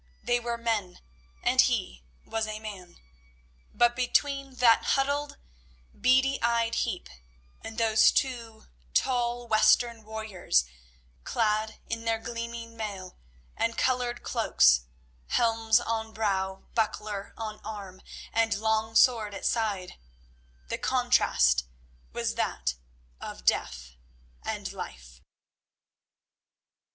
They were men and he was a man, but between that huddled, beady eyed heap and those two tall Western warriors, clad in their gleaming mail and coloured cloaks, helm on brow, buckler on arm, and long sword at side, the contrast was that of death and life.